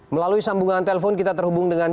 melalui sambungan telepon kita terhubung dengan jodoh